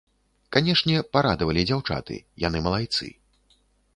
Канешне, парадавалі дзяўчаты, яны малайцы.